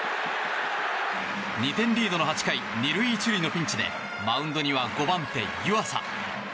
２点リードの８回２塁１塁のピンチでマウンドには５番手、湯浅。